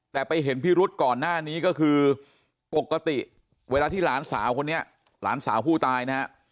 แต่ไปเห็นพิรุษก่อนหน้านี้ก็คือปกติเวลาที่หลานสาวคนนี้หลานสาวผู้ตายนะฮะ